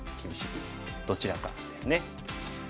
どちらかですね。